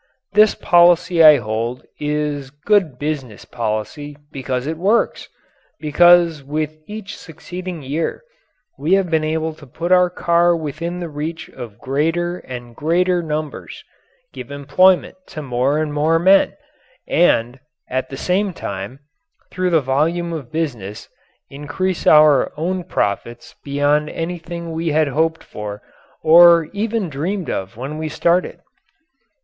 This policy I hold is good business policy because it works because with each succeeding year we have been able to put our car within the reach of greater and greater numbers, give employment to more and more men, and, at the same time, through the volume of business, increase our own profits beyond anything we had hoped for or even dreamed of when we started.